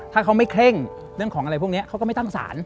ถ้าเขาไม่เคร่งเรื่องของอะไรพวกนี้เขาก็ไม่ตั้งสาร